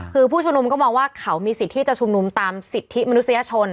คือผู้ชุมนุมก็มองว่าเขามีสิทธิ์ที่จะชุมนุมตามสิทธิมนุษยชน